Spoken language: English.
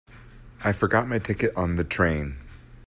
I forgot my ticket on the train.